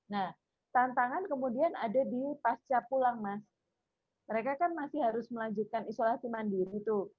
nah tantangan kemudian ada di pasca pulang mas mereka kan masih harus melanjutkan isolasi mandiri tuh